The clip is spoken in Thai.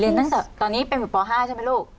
ตั้งแต่ตอนนี้เป็นอยู่ป๕ใช่ไหมลูก